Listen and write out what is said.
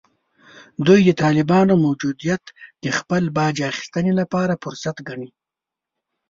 دوی د طالبانو موجودیت د خپل باج اخیستنې لپاره فرصت ګڼي